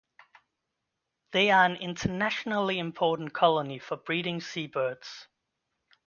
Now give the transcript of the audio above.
They are an internationally important colony for breeding seabirds.